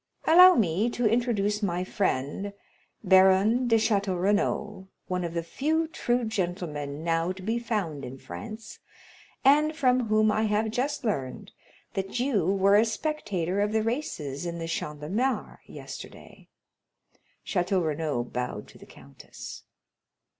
Allow me to introduce my friend, Baron de Château Renaud, one of the few true gentlemen now to be found in France, and from whom I have just learned that you were a spectator of the races in the Champ de Mars, yesterday." Château Renaud bowed to the countess.